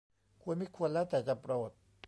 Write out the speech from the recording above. ควรมิควรแล้วแต่จะโปรด